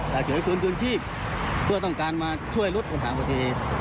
จะเฉยชวนเงินชีพเพื่อต้องการมาช่วยรถอุณหาประเทศ